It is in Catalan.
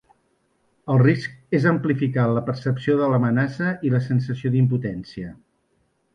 El risc és amplificar la percepció de l’amenaça i la sensació d’impotència.